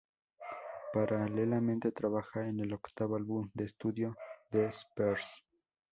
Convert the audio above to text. Paralelamente, trabaja en el octavo álbum de estudio de Spears.